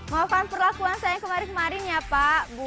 maafkan perlakuan saya yang kemarin kemarin ya pak